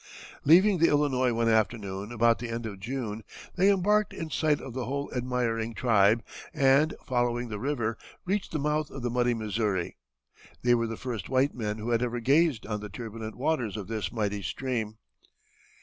Leaving the Illinois one afternoon, about the end of June, they embarked in sight of the whole admiring tribe, and, following the river, reached the mouth of the muddy Missouri. They were the first white men who had ever gazed on the turbulent waters of this mighty stream.